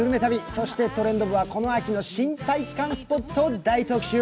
そして、「トレンド部」はこの秋の新体感スポットを大特集。